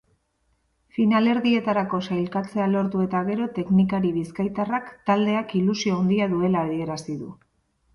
Finalerdietarako sailkatzea lortu eta gero teknikari bizkaitarrak taldeak ilusio handia duela adierazi du.